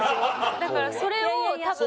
だからそれを多分。